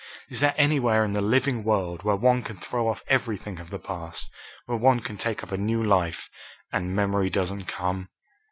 Is there anywhere in the living world where one can throw off everything of the past, where one can take up a new life, and memory doesn't come?"